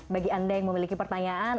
bagi anda yang memiliki pertanyaan